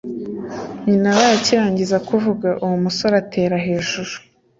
nyina yabaye akirangiza kuvuga, uwo musore atera hejuru